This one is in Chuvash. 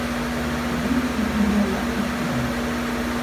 Такам патне шӑнкӑравласшӑнччӗ вӑл.